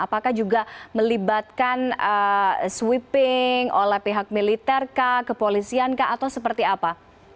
apakah juga melibatkan sweeping oleh pihak militer kah kepolisian kah atau seperti apa